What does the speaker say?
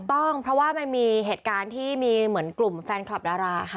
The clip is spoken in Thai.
ต้องเพราะว่ามันมีเหตุการณ์ที่มีเหมือนกลุ่มแฟนคลับดาราค่ะ